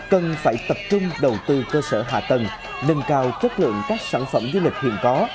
cần phải tập trung đầu tư cơ sở hạ tầng nâng cao chất lượng các sản phẩm du lịch hiện có